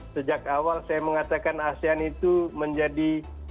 sejak awal saya mengatakan asean itu menjadi